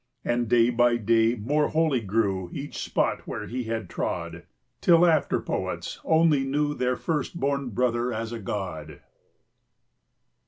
40 And day by day more holy grew Each spot where he had trod, Till after poets only knew Their first born brother as a god.